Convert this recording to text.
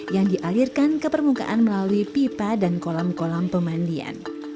yang dialirkan ke permukaan melalui pipa dan kolam kolam pemandian